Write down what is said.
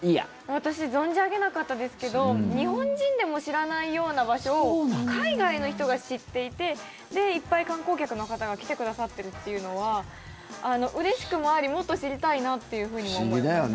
私存じ上げなかったですけど日本人でも知らないような場所を海外の人が知っていていっぱい観光客の方が来てくださってるというのはうれしくもありもっと知りたいなというふうにも思いました。